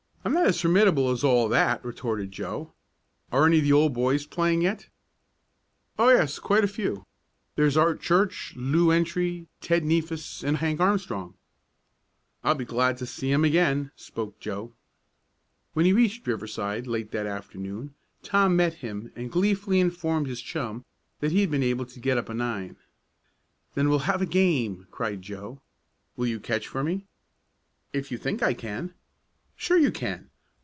"I'm not as formidable as all that," retorted Joe. "Are any of the old boys playing yet?" "Oh, yes, quite a few. There's Art Church, Lew Entry, Ted Neefus and Hank Armstrong." "I'll be glad to see 'em again," spoke Joe. When he reached Riverside late that afternoon Tom met him and gleefully informed his chum that he had been able to get up a nine. "Then we'll have a game!" cried Joe. "Will you catch for me?" "If you think I can." "Sure you can.